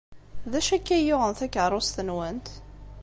D acu akka ay yuɣen takeṛṛust-nwent?